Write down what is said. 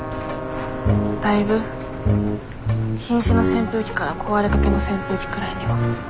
だいぶひん死の扇風機から壊れかけの扇風機くらいには。